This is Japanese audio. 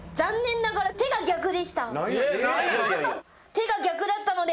手が逆だったので。